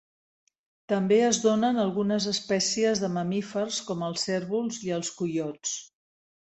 També es donen algunes espècies de mamífers com els cérvols i els coiots.